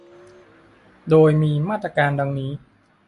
โดยมีมาตรการดังนี้